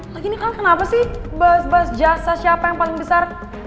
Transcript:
lagi nih kan kenapa sih bahas bahas jasa siapa yang paling besar